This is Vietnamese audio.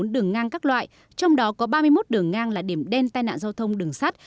một năm trăm một mươi bốn đường ngang các loại trong đó có ba mươi một đường ngang là điểm đen tai nạn giao thông đường sắt